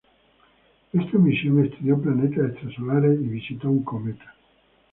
Esta misión estudió planetas extrasolares y visitó un cometa.